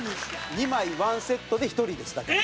２枚ワンセットで１人ですだから。